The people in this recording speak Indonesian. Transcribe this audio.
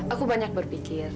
aku banyak berpikir